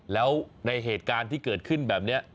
แล้วในเหตุการณ์ที่เกิดขึ้นแบบนี้